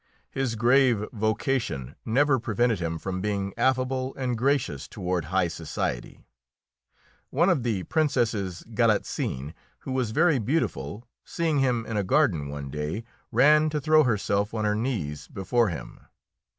His grave vocation never prevented him from being affable and gracious toward high society. One of the Princesses Galitzin, who was very beautiful, seeing him in a garden one day, ran to throw herself on her knees before him.